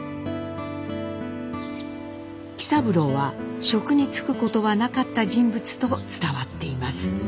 喜三郎は職に就くことはなかった人物と伝わっています。